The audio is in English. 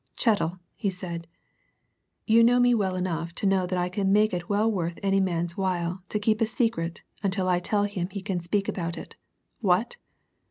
"Chettle!" he said. "You know me well enough to know that I can make it well worth any man's while to keep a secret until I tell him he can speak about it! What!"